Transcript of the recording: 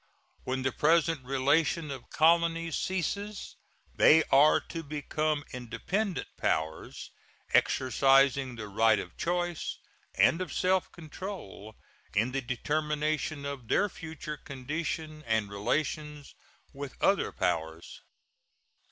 When the present relation of colonies ceases, they are to become independent powers, exercising the right of choice and of self control in the determination of their future condition and relations with other powers.